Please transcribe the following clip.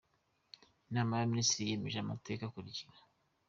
Inama y’Abaminisitiri yemeje Amateka akurikira :